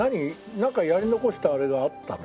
なんかやり残したあれがあったの？